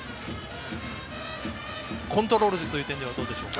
コントロールという点ではどうでしょうか？